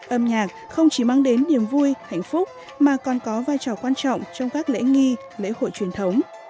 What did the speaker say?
âm nhạc không chỉ mang đến niềm vui hạnh phúc mà còn có vai trò quan trọng trong các lễ nghi lễ hội truyền thống